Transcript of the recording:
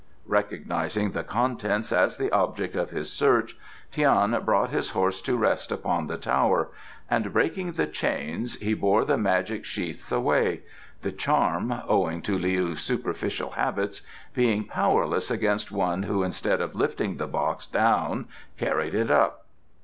Recognizing the contents as the object of his search, Tian brought his horse to rest upon the tower, and breaking the chains he bore the magic sheaths away, the charm (owing to Leou's superficial habits) being powerless against one who instead of lifting the box down carried it up.